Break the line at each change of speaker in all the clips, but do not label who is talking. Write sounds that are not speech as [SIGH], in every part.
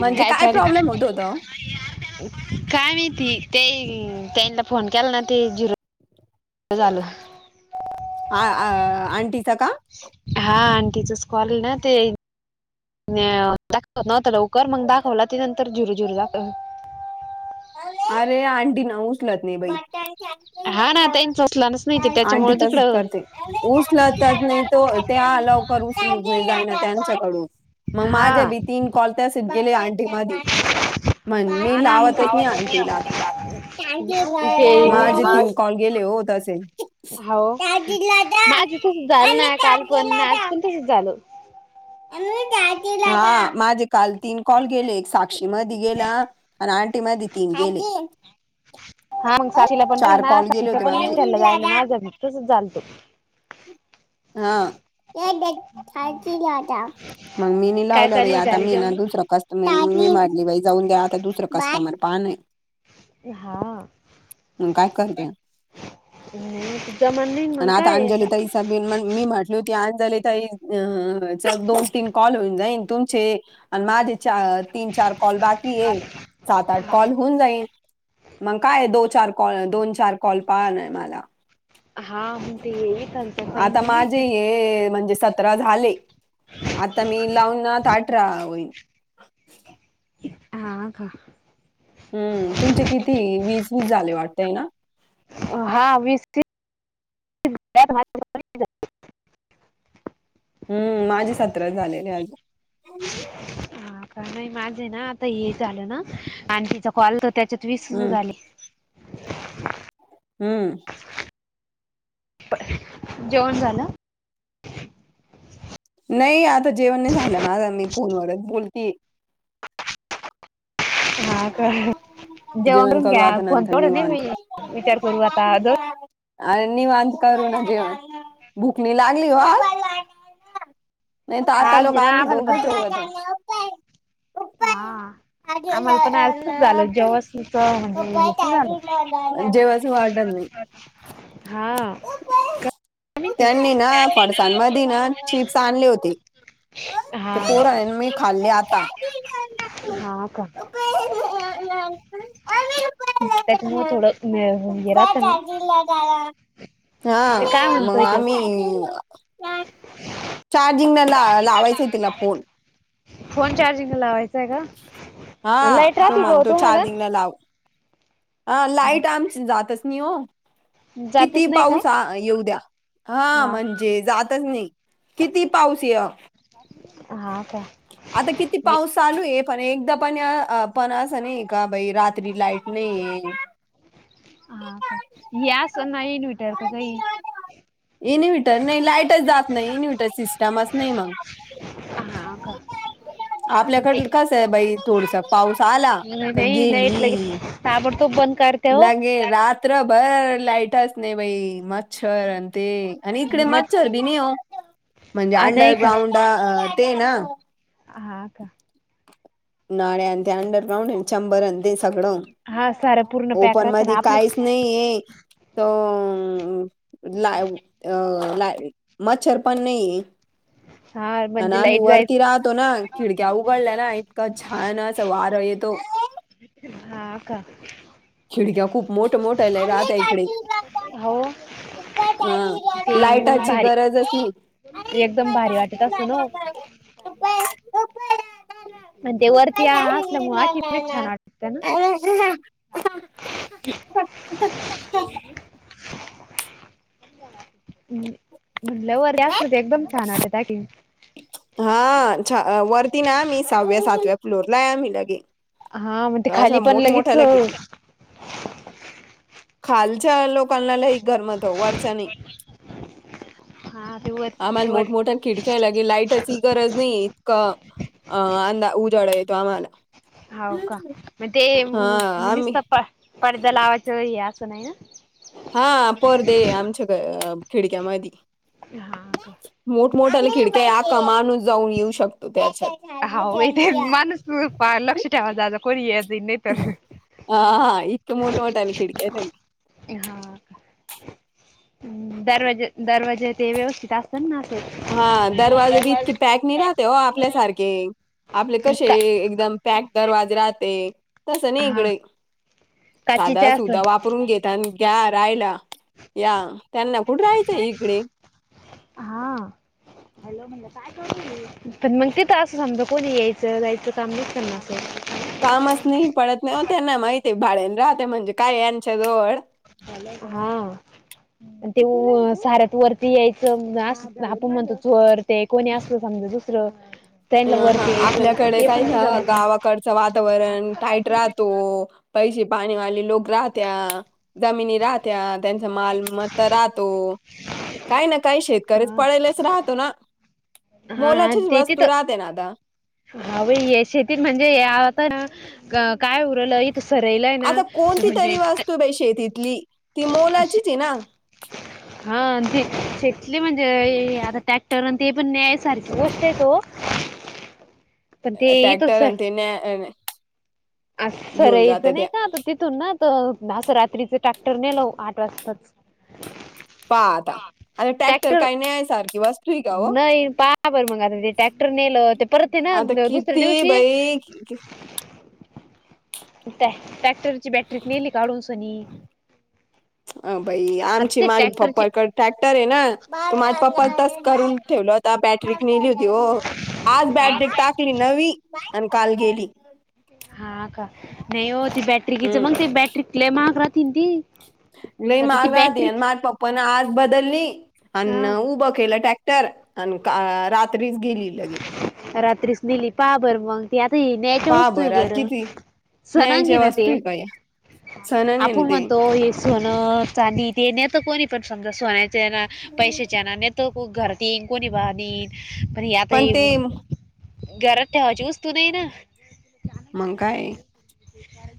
म्हणजे
काय चाल
प्रॉब्लेम होत होता ओ?
काय माहिती ते तेनला फोन केला ना ते झिरो अ झालं.
आ आ-आंटीचा का?
हा आणि तिचच कॉल ना ते दाखवत नव्हत लवकर मग, दाखवला ते नंतर झीरू झीरू दाखवल.
अरे आंटी ना, उचलत नाही बाई.
हा ना त्यांच [UNINTELLIGIBLE] नाही त्याच्यामुळं तीकडं
ऊस लावतात नाही तो ते आलॉव करू ऊस [UNINTELLIGIBLE] त्यांच्याकडून. मग
हा
माझ बी तीन कॉल तसेच गेले, आंटी मध्ये मग मी
हा ना मग
लावतच. आंटीला आता,
ते- ते
माझे तीन कॉल गेले हो तसे.
होव‌, माजी झाल ना काल पण आज पण तसच झाल. [INAUDIBLE]
हा माझे काल तीन कॉल गेले, एक साक्षी मध्ये गेला. आणि आंटी माधि तीन गेले.
[INAUDIBLE] हा मग साक्षीला पण प
चार
ना
कॉल गेले होते
साक्षीचं पण नेऊ,
माझे
घ्यायला जा ना माझं तसंच झालत.
हा त्या खायची [UNINTELLIGIBLE] ता मग मी नाही
काय
लावलं बाई,
चालू
आता
झाली
मी ना
जेवण
दुसरं कस. मी मारली बाई जाऊन द्या, आता दुसरं कस्टमर पाहणे.
हा.
मग काय करते
अ जमान नाहीईन मग काय आता.
त मी मंग मी म्हटल होती, आण झाले ताई अं.. चल दोन तीन कॉल, होऊन जाईन तुमचे. आणि माझे चार तीन चार कॉल बाकी ये, सात आठ कॉल होऊन जाईल. मग काय दो चार कॉल, दोन चार कॉल पाहाणा मला.
हा म्हणते येईन.
आता माझे हे, म्हणजे सतरा झाली. आता मी लावून अ अठरा होईन.
हा का.
हम्म, तुमचे किती वीस वीस झाले वाटतय ना.
हा वीस तीस.
हम्म, माझे सतरा झालेले अजून.
ह का नाही माझे ना आता हे झालं ना, आणि तिचा कॉल तर त्याच्यात वीसच
हं,
झाले.
हम्म.
जेवण झालं.
नाही आता जेवण नाही झालं, माझ मी फोनवरच बोलती.
हा का,
जेवण
जेवगून
करू
घ्या
आता नंतर
फोनकड नाही
निवांत.
मी विचार करू आता.
आज निवांत करूना जेवण भुक नाही लागली हो आज. नाही तर आता
आज
लोक
ना
आम्ही
आम्हाला
दोघ
पण तस
[UNINTELLIGIBLE]
हा. आम्हाला पण असच झालं, जेव्हा म्हणजे एसी झाल.
जेवायचं वाटत नाही.
हा. का माहिती
त्यांनी ना पडसानमध्ये ना, चिप्स आणले होते.
हा
ते पोरं आण, मी खाल्ले आता.
[INAUDIBLE] त्याच्यामुळ थोडं न्य हे राहत ना.
हा,
ते काय
मग
म्हणतोय तो
आम्ही. चार्जिंगनला लावायचंय तिला फोन.
फोन चार्जिंगला लावायचाय का, लाईट राहती का तुम्हाला.
अलाव हा लाईट आमची जातच नाही हो. किती
जातच नाही का
पाऊस आ येऊ द्या, हा म्हणजे जातच नाही. किती पाऊस याव.
हा का.
आता किती
नाही
पाऊस. चालू आहे पण एकदा पण य, अ पण असं नाही का बाई रात्री लाईट नाही ये.
हा का, यास नाही येन विटर क काही.
इन्व्हीटर नाही लाईटच जात नाही इन्व्हीटर सिस्टमच नाही मग.
हा हा
आपल्याकड कसं आहे बाई थोडस पाऊस सहाला काल
नाही लाईट
गेली
लगेच ताबडतोब बंद करते हो
लगेच रात्र भर लाईटच नाही बाई मच्छर आणि ते आणि इकडे
मग
मच्छर बी नाही हो म्हणजे
आ नाही का
अंडरग्राउंड ते ना
हा का?
नाले आणि ते अंडरग्राउंड चंबर ते सगळं
हा सारं पूर्ण पॅक
ओपन
राहतं
मध्ये
ना आपलं
काहीच नाही ये त.. ला ला मच्छर पण नाही
हा
आणि
म्हणजे
आम्ही
लाईट
वरती
जायच
राहतो ना खिडक्या उघडल्या ना इतका छान अस वार येतो
हा का?
खिडक्या खूप मोठ मोठ्यालाय राहत इकडे
हो
हा
ते मग
लाइटाची
भारी
गरजच नाही
ते तर सुणव
[UNINTELLIGIBLE]
आणि ते वरती असल्यामुळेच छान आटकत ना [INAUDIBLE] हम् म्हण लव वगैरे असलं तर एकदम छान वाटत चॅटिंग
हा छा वरती ना आम्ही सहाव्या सातव्या फ्लोअर ला आहे आम्ही लगे.
हा मग ते खाली
असं
पण लगेच
मोठमोठ्या
हो
लगे खालच्या लोकांना लई गरम होतय.
हा ते वर
आम्हाला
वर
मोठमोठा खिडकी केला की लाईटची गरज नाही इतकां अ अंदा उजाड येतो आम्हाला.
हावू का मग ते
हां, आम्ही
नुसत प पडदा लावायचं असं नाही ना.
हा परदे आमच्या खिडक्यामध्ये
हा का
मोठमोठ्या खिडक्या आखा माणूस जाऊन येऊ शकतो त्याच्यात
होाय माणूस लक्ष ठेवादा कोण येतय जा
हा इतु मोठा मोटा आल खिडकी्यातग
हा.. दरवाज दरवाजे ते व्यवस्थित अस ना
हा दरवाजे बी इतकी पॅक नाही राहते हो आपल्यासारखे आपले कसे एकदम पॅक दरवाजे राहते तस नाही
हा
इकडे
काचेचे
साधा
असल
सुद्धा वापरून घेत आणि या राहायला या त्यांना कुठ राहायचंय इकडे?
हा हॅलो म्हणाली पण मग तिथं असं समजा कोणी यायचं जायचं काम नाही करणार असं.
कामच नाही पडत नाहीव त्यांना माहिती भाडेन राहते म्हणजे काय यांच्या जवळ.
हा ते साऱ्रयात वरती यायचं अस आपण म्हणतो चोर ते कोणी असलं समज दुसरं
अ
त्यांना
हा
वरती यायचं
आपल्याकडे
ते
काय
पण नाही जमत
गावाकडचं वातावरण टाईट राहतो. पैसे पाणी वाले लोग राहते जमिनी राहते. त्या त्यांचा मालमत्ता राहतो. काही ना काही शेतकरीच
ना
पळलेच राहतो ना
हा हा ते अ
तु राहते ना आता
हव यशेती म्हणजे आता काय उरलं इथ सरयलंय ना म्हणजे त
तु शेतीतली ती मोलाचीच ना?
हा ते शेतली म्हणजे आता टॅक्टर ते पण न्याय सारखी गोष्ट आहे तो पण ते तस
[UNINTELLIGIBLE]
अस
घेऊन
सरायचं
जाते त्या
नाही का तिथून ना तर असं रात्रीच टॅक्टर नेलो आठ वाजताच
पा आता आता टॅक्टर
ट्रॅक्टर
काही नाही आहे सारखी बस
नाही पाहा बर मग आता ते ट्रॅक्टर नेलं. ते परतते ना
आता
दुसऱ्या
किती
दिवशी
बाई कि-
टॅ ट्रॅक्टरची बॅटरी नेली काढून सनी.
अ भाई
आता
आमची
ते
माझ माल
ट्रॅक्टरची
पप्पाडे ट्रॅक्टर आहे ना त माझप्पा
हा
तस करून ठेवलं होता बॅटरी नेली होती हो आज बॅटरी टाकली नवी. आणि काल गेली.
हा का नाही हो त बॅटरी किच
हम्म
मग ते बॅटरी कले महाग राहतील ती [UNINTELLIGIBLE]
लय
आता ती
महाग
बॅटरी
आणि माय पप्प न आज बदलली
हा
आणि उभं केलं टॅक्स तर रात्रीच गेली लगे.
रात्रीच नेली पाहा बर मग. ते आता हे न्याच्या
पहा
वस्तूहे
बरं आज
बर
किती
सनागी
न्यायच्या
ना
वस्तू
ते
आहे का या सण
आपुन
ते
म्हणतो सोनं चांदी ते नेत कोणी पण समजा सोन्याचेना पैशाच्या ना न घर येईन कोणी बाणीन पण आता येऊ घरात ठेवायची वस्तू नाहीय ना.
मग काय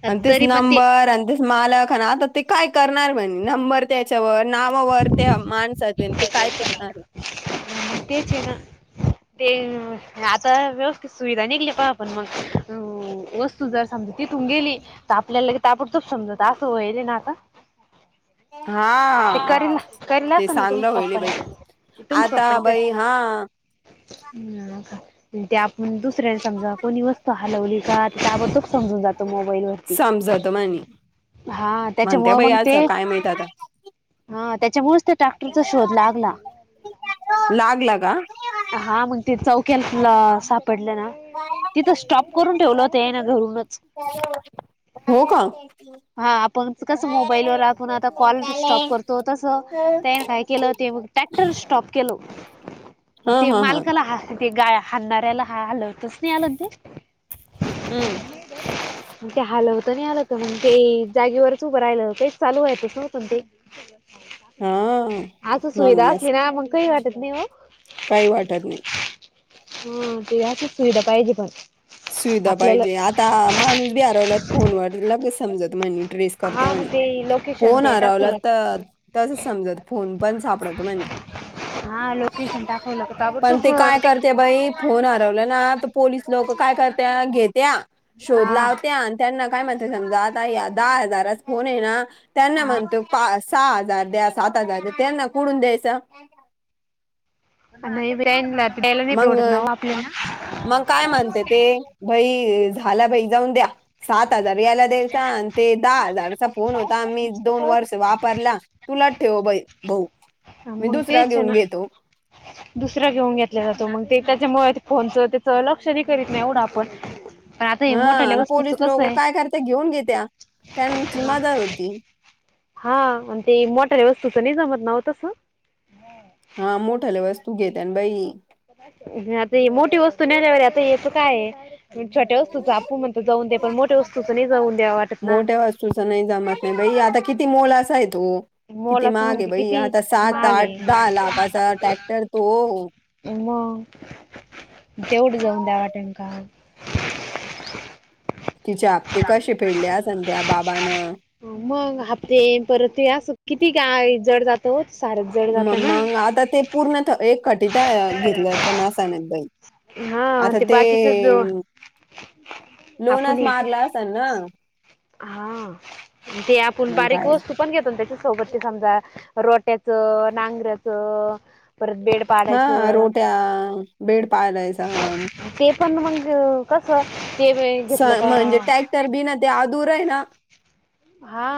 आणि तेच
तरी पण ते
नंबर आणि ते मालक आता ते काय करणार म्हणे नंबर त्याच्यावर नावावर ते माणसात ते काय करणार?
तेच ना [UNINTELLIGIBLE] ते आता व्यवस्थित सुविधा निघली पहा आपण मग हो वस्तू जर समजा तिथून गेली तर आपल्याला लगे ताबडतोप समजत असं वयल ना आता?
हा
ते करील करील
ते
असं ना
चांगलं
तुमच्या
होईल बाई
पप्पाने
आता बाई हा.
ह ते आपण दुसऱ्याने समजा कोणी वस्त त हलवली का ते ताबडतोब समजून जात मोबाईलवर.
समजत मनी म्हणते
त्याच्यामुळं
बाई
मग ते
असं काय माहित आता.
हा त्याच्यामुळेच त्या ट्रॅक्टरचा शोध लागला.
लागला का?
हा मग ते चौक्याला सापडलं ना तिथं स्टॉप करून ठेवलं होत यांन धरून.
हो का?
हा आपण कसं मोबाईलवर आपण आता कॉल स्टॉप करतो तसं त्याने काय केलं ते टा स्टॉप केलो
हा
ते
हा हा
मालकाला ह ते गा हलणाऱ्याला हा हलवत नाही आलना ते
हम्म
[UNINTELLIGIBLE] ते हलवता नाही आल त मग ते जागेवरच उभं राहिलं काहीच चालू व्हायच नव्हतं ते
हा
असं सुविधा
म्हणूनच
असली ना मग काही वाटत नाही हो.
काही वाटत नाही.
हा ते आसच सुविधा पाहिजे पण.
सुविधा
आपल्याला.
पाहिजे आता माणूस बी हरवला फोनवर लगे समजत म्हणे. ट्रेस
हा
करते
मग
म्हणे
ते लोकेशन
फोन
ते
हरवला
टाकवलं
तर तसच समजत फोन पण सापडतो म्हणे.
हा लोकेशन टाकवलं का
पण
ताबडतोब
ते काय करते. बाई फोन हरवल ना त पोलीस लोक काय करत्या घेत्या शोध
हा
लावत्या आण. त्यांना काय म्हणत समजा आता दहा हजारच फोन आहे ना त्यांना
हा
म्हणतो. पा सहा हजार द्या सात हजार त्यांना कुडून द्यायचं.
आण इब्राहमला द्यायला नाही प्रवडत
मग
ना आपल्याला.
मग काय म्हणते ते बाई झाला बाई जाऊन द्या सात हजार याला. ते आण ते दहा हजारचा फोन होता आम्ही दोन वर्ष वापरल्या तुलाट ठेव बाई. बऊ मी
मग
दुसरा
तेच
घेऊन
ना.
घेतो.
दुसरा घेऊन घेतला जातो मग ते त्याच्यामुळे फोनच त्याच लक्षही करीत नाही एवढं आपण. पण आता हे
हा
मोठ्याल्या
आणि
वस्तूचं
पोलीस
कसं
लोक काय
आहे
करते घेऊन घेत्या त्यांची मजा होती.
हा आणि ते मोटऱ्या वस्तूचं नाही जमत नाव तसं.
हा मोठले वस्तू घेत आणि बाई.
आता ये मोठी वस्तू नेल्यावर आता येत काय आहे. छोट्या वास्तूचा आपू म्हण तर जाऊ दे पण मोठ्या वस्तूचं नाही जाऊन दे वाटत ना.
तुझ नाही जमत नाही बाई आता किती मोल असा आहे तो. किती
मोलाचं
माहागे
म्हणजे
बई
किती
आता सात
महाग
आठ
आहे
दहा लाखाचा ट्रॅक्टर तो.
मग तेवढ जाऊन द्यावाटेम का.
तिचे आप्ते कसे फेडलेन त्या बाबान.
अ मग हप्ते परतूया किती ग जड जातो सार.
मग मग आता ते पूर्ण एक खटिता घेतलंता नासान बल.
हा
आता ते
बाकीच आपण
लोनास
हे
मारलं असाल ना.
हा ते आपण
मग
बारीक
काय
वस्तू. ण घेतो त्याच्या सोब समजा रोट्याच नांगऱच परत बेड.
हा
पाडायचं
रोट्या बेड पाहालायचा.
ते पण मग कसं ते वेळ घेतलं का?
तर बीन ते आदूर आहे ना.
हा.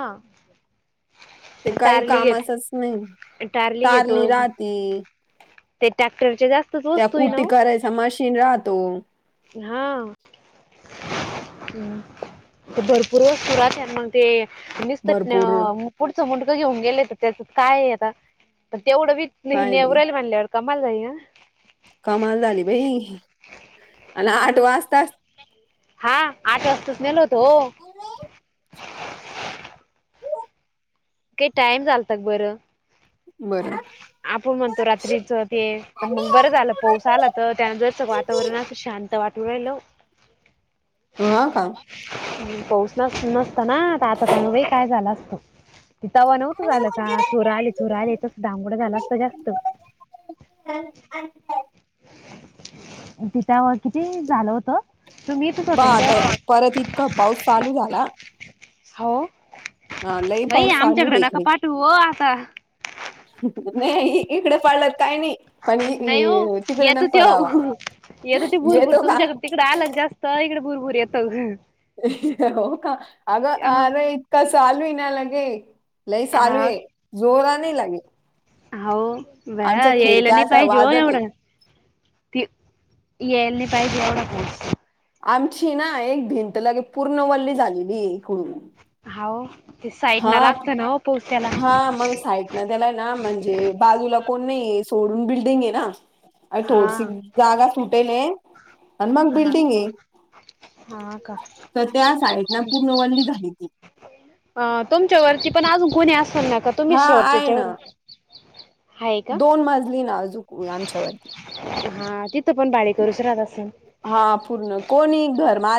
ते काही
टार्ली
कामाचच नाही.
घेत टार्ली घेतो.
तारली राहती
ते ट्रॅक्टर चे जास्तचोस्तो ना.
ह मशीन राहतो.
हा हम्म भरपूर वस् पुरात आहे मग. ते मस्त न.
भरपूर
पुढचं मुटकं घेऊन गेलं तर त्याच काय आता प तेवढं वीच
काय बाई
नेवराल म्हणल्यावर. कमाल वही न.
कमाल झाली भाई.
ह हा आठ वाजताच नेलो होतो. काही टाइम चालत क बरं.
बरं.
आपण म्हणतो रात्रीचं ते पण मग बरं झालं पाऊस आला तर त्यान जर स वातावरण असं शांत वाटत. तू राहिलो.
ह का?
पोचण नसत ना आता त वेळ काय झाला असतो. ति तवा नव्हतं झालं का चुर आले चोर आले तस धांगड झाला असत जास्त.
ह आ.
तिथ किती झालं होत.
प आता परत इतका पाऊस चालू झाला.
हो
हा लई
भाई
पाऊस चालू आहे
आमच्याकडे
बाई
नका
इकडे.
पाठू व आता.
नाही इकडे पाळलंत काय नाही. पण इ-
नाही हो
इ- तिकडे
येत
न
होते ते
पडावा
हो येत होती भुरभूर
येतो का
तुमच्याकडे तिकड आला की जास्त. तव्हा इकडं भरपूर येतं हं
अ ह ह ह हो का अगं अरे इतका चालू नालागे. लई चालू आहे
हा
जोरा नाही लागेल.
हा ओ ना यायला
खिडक्या
नाही
अशा
पाहिजे हो
वाजत आहे
एवढं ते यायला नाही पाहिजे एवढा पाऊस
आमची ना एक भिंत लगे पूर्ण ओल्ली झालेली इकडून.
हा ओ ते
हा
साईडन लागत ना हो पोहोचायला
म त्याला ना म्हणजे बाजूला कोण नाही सोडून बिल्डिंग आहे ना. अ
हा
थोडसी जागा सुटेल आहे आणि मग
हा
बिल्डिंग आहे.
हा का
तर त्या साईडनं पूर्ण ओल्ली झाली ती
अ तुमच्यावरती पण अजून कोणी असल ना का तुम्हीच
हा
शेवटच्या
ना
हेच्यावर आहे. का
दोन मजली आणि आजुक [UNINTELLIGIBLE] आमच्यावरती
हा तिथं पण भाडेकरूच राहत असेल
हा पूर्ण कोणी घरमाल